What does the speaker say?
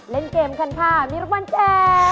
เล่นเกมกันค่ะมีรบรรเจ็บ